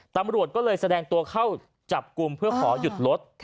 ตำรวจก็เลยแสดงตัวเข้าจับกลุ่มเพื่อขอหยุดรถ